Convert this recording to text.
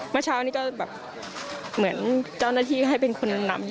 เมื่อเช้านี้ก็แบบเหมือนเจ้าหน้าที่ให้เป็นคนนำ